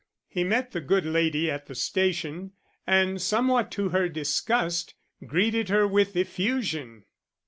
He met the good lady at the station, and somewhat to her disgust greeted her with effusion.